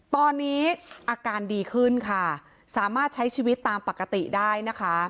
ตอนนี้อาการดีขึ้นค่ะสามารถใช้ชีวิตตามปกติได้นะคะ